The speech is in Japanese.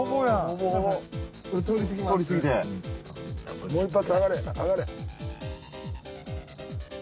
もう一発上がれ上がれ。